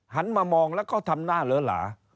หันมามองแล้วก็ทำหน้าเหลือหลา